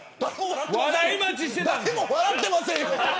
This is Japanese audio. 誰も笑ってませんよ。